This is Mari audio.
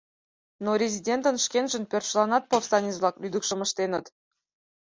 Но резидентын шкенжын пӧртшыланат повстанец-влак лӱдыкшым ыштеныт.